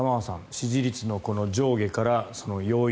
支持率の上下の要因